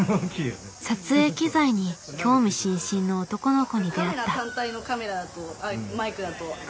撮影機材に興味津々の男の子に出会った。